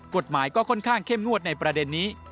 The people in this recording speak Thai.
กฎหมายก็ค่อนข้างเข้มงวดในประเด็นนี้